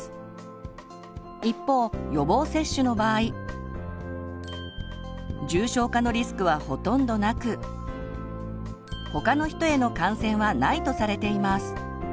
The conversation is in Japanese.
一方予防接種の場合重症化のリスクはほとんどなく他の人への感染はないとされています。